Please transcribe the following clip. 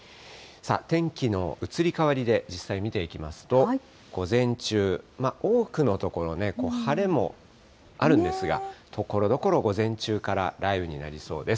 天気の移り変わりで実際、見ていきますと、午前中、多くの所ね、晴れもあるんですが、ところどころ午前中から雷雨になりそうです。